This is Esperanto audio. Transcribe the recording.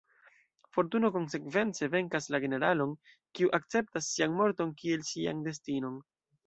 Fortuno konsekvence venkas la generalon, kiu akceptas sian morton kiel sian destinon"".